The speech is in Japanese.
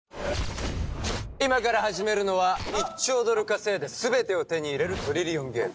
今から始めるのは１兆ドル稼いで全てを手に入れるトリリオンゲーム